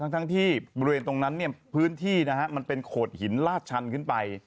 ทั้งที่บริเวณตรงนั้นพื้นที่มันเป็นโขดหินลาดชันขึ้นไป